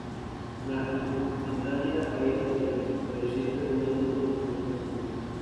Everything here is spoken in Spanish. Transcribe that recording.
La indumentaria ha ido variando, pero siempre jugando con los tonos azules.